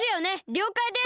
りょうかいです！